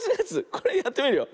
これやってみるよ。